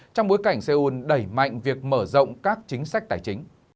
trong bối cảnh seoul đẩy mạnh việc mở rộng các chính sách tài chính